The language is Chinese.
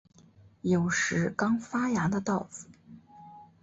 有时刚发芽的稻子